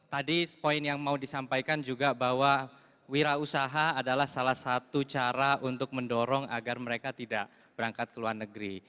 tadi poin yang mau disampaikan juga bahwa wira usaha adalah salah satu cara untuk mendorong agar mereka tidak berangkat ke luar negeri